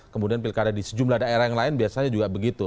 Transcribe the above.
kemudian pilkada di sejumlah daerah yang lain biasanya juga begitu